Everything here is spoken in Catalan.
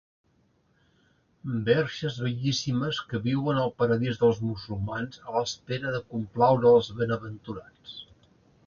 Verges bellíssimes que viuen al paradís dels musulmans a l'espera de complaure els benaventurats.